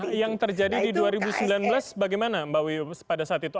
nah yang terjadi di dua ribu sembilan belas bagaimana mbak wiwi pada saat itu